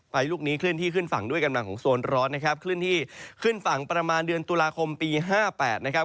ลูกนี้เคลื่อนที่ขึ้นฝั่งด้วยกำลังของโซนร้อนนะครับเคลื่อนที่ขึ้นฝั่งประมาณเดือนตุลาคมปีห้าแปดนะครับ